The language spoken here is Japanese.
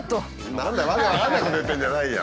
何だ訳分かんないこと言ってるんじゃないよ。